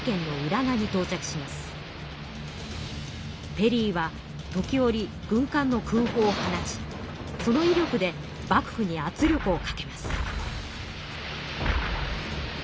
ペリーは時折軍艦の空ほうを放ちそのいりょくで幕府に圧力をかけます。